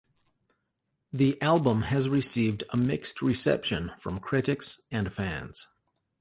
The album has received a mixed reception from critics and fans.